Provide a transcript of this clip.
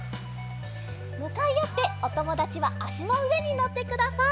むかいあっておともだちはあしのうえにのってください。